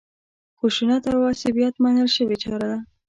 خشونت او عصبیت منل شوې چاره ده.